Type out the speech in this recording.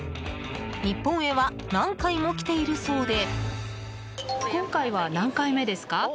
日本へは何回も来ているそうで。